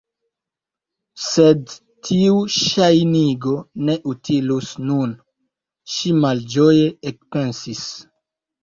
"Sed tiu ŝajnigo ne utilus nun"—ŝi malĝoje ekpensis—.